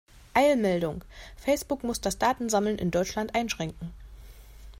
Eilmeldung! Facebook muss das Datensammeln in Deutschland einschränken.